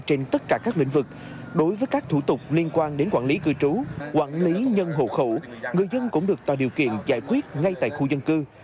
trên tất cả các lĩnh vực đối với các thủ tục liên quan đến quản lý cư trú quản lý nhân hộ khẩu người dân cũng được tạo điều kiện giải quyết ngay tại khu dân cư